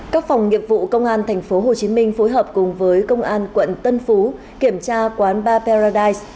các phòng nghiệp vụ công an tp hcm phối hợp cùng với công an quận tân phú kiểm tra quán ba perradise